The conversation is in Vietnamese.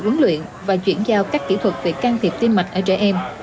huấn luyện và chuyển giao các kỹ thuật về can thiệp tim mạch ở trẻ em